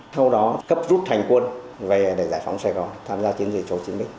sau đó cấp rút hành quân về để giải phóng sài gòn tham gia chiến dịch chỗ chính địch